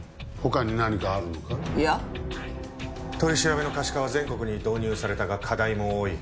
取り調べの可視化は全国に導入されたが課題も多い。